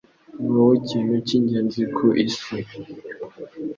Ni wowe kintu cy'ingenzi ku isi.